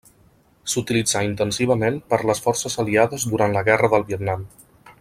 S'utilitzà intensivament per les Forces Aliades durant la Guerra del Vietnam.